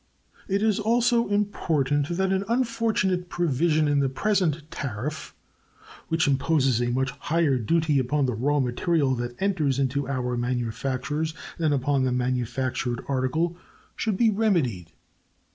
It is also important that an unfortunate provision in the present tariff, which imposes a much higher duty upon the raw material that enters into our manufactures than upon the manufactured article, should be remedied.